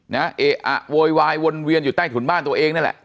เอะอะโวยวายวนเวียนอยู่ใต้ถุนบ้านตัวเองนั่นแหละ